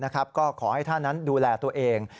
ก็ขอให้ท่านนั้นดูแลตัวเอง